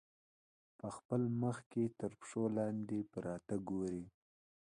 په خپل مخ کې تر پښو لاندې پراته ګوري.